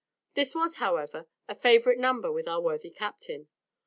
This was, however, a favourite number with our worthy captain.